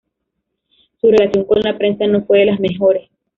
Su relación con la prensa no fue de las mejores.